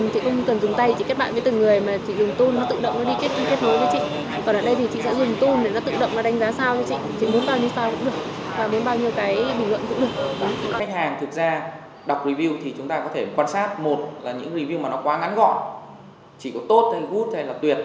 cách hàng thực ra đọc review thì chúng ta có thể quan sát một là những review mà nó quá ngắn gọn chỉ có tốt hay good hay là tuyệt